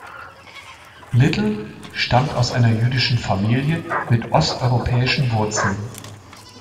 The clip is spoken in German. Littell stammt aus einer jüdischen Familie mit osteuropäischen Wurzeln.